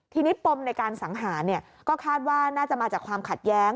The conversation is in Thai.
ทีนี้ปมในการสังหารก็คาดว่าน่าจะมาจากความขัดแย้ง